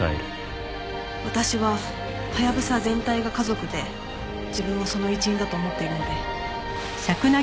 私はハヤブサ全体が家族で自分はその一員だと思っているので。